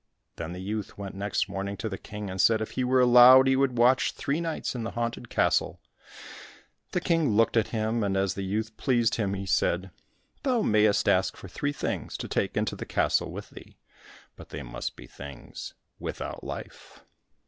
Then the youth went next morning to the King and said if he were allowed he would watch three nights in the haunted castle. The King looked at him, and as the youth pleased him, he said, "Thou mayest ask for three things to take into the castle with thee, but they must be things without life."